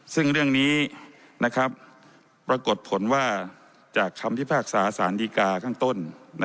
ซึ่งเรื่องนี้ปรากฏผลว่าจากคำพิพากษาสารดีกาข้างต้น